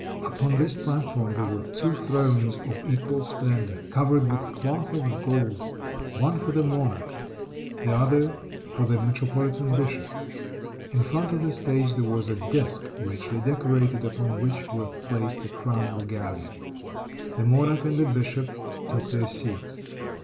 Upon this platform there were two thrones of equal splendor, covered with cloth of gold, one for the monarch, the other for the metropolitan bishop. In front of the stage there was a desk, richly decorated, upon which were placed the crown regalia. The monarch and the bishop took their seats.